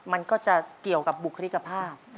มันก็จะเกี่ยวกับบุคลิกภาพ